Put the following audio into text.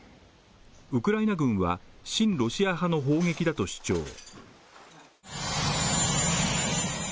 ウクライナ軍は親ロシア派の砲撃だと主張。